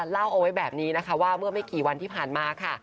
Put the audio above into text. เล่าเอาไว้แบบนี้นะคะว่าเมื่อไม่กี่วันที่ผ่านมาค่ะ